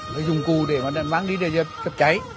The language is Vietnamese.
phải dùng cụ để mà đặt bán đi để chấp cháy